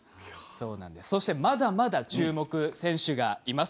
まだまだ注目選手がいます。